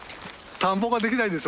田んぼができないんですよ。